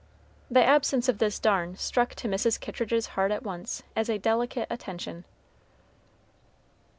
The absence of this darn struck to Mrs. Kittridge's heart at once as a delicate attention.